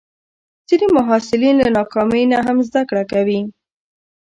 ځینې محصلین له ناکامۍ نه هم زده کړه کوي.